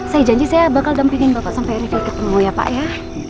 saya janji saya bakal dampingin bapak sampai river ketemu ya pak ya